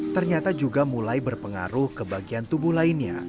ternyata juga mulai berpengaruh ke bagian tubuh lainnya